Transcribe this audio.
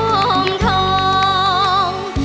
ทุ่มทอง